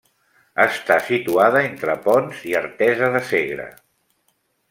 Està situada entre Ponts i Artesa de Segre.